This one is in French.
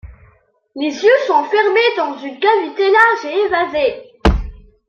Les yeux sont fermés dans une cavité large et évasée.